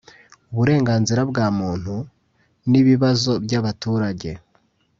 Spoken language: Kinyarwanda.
uburenganzira bwa muntu n’ibibazo by’abaturage